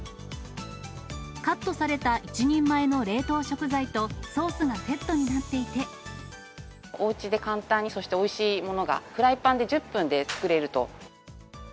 カットされた１人前の冷凍食材と、おうちで簡単に、そしておいしいものがフライパンで１０分で作れると。